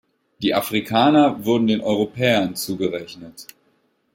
Die Afrikaner wurden den Europäern zugerechnet.